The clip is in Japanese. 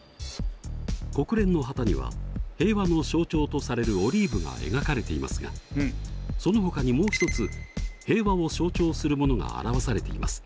国連の旗には平和の象徴とされるオリーブが描かれていますがそのほかにもう一つ平和を象徴するものが表されています。